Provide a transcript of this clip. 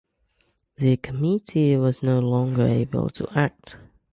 The committee was no longer able to act.